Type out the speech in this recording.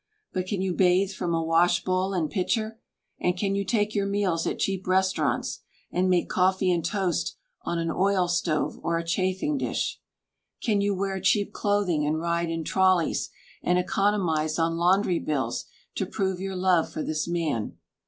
But can you bathe from a wash bowl and pitcher, and can you take your meals at cheap restaurants, and make coffee and toast on an oil stove or a chafing dish? Can you wear cheap clothing and ride in trolleys, and economize on laundry bills to prove your love for this man?